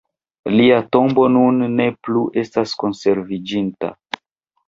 Lia tombo nun ne plu estas konserviĝinta.